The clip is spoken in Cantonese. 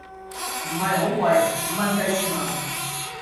唔係好貴！五蚊雞之嘛